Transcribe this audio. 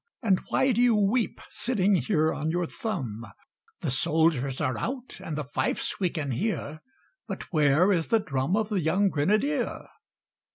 And why do you weep, sitting here on your thumb? The soldiers are out, and the fifes we can hear; But where is the drum of the young grenadier?